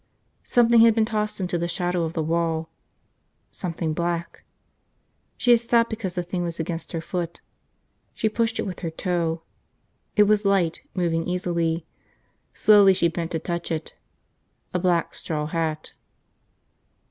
Something had been tossed into the shadow of the wall. Something black. She had stopped because the thing was against her foot. She pushed it with her toe. It was light, moving easily. Slowly she bent to touch it – a black straw hat.